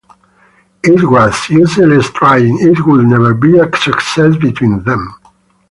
It was useless trying: it would never be a success between them.